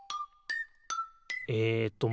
えっと